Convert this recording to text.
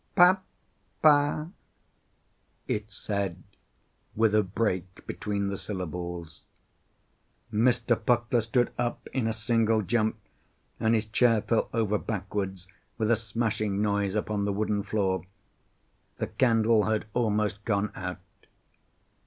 "Pa pa," it said, with a break between the syllables. Mr. Puckler stood up in a single jump, and his chair fell over backwards with a smashing noise upon the wooden floor. The candle had almost gone out.